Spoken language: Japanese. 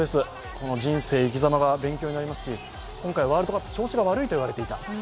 人生、生きざまが勉強になりますし今回ワールドカップ、調子が悪いと言われていた。